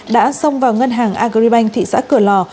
đã xông vào ngân hàng agribank thị xã cửa lò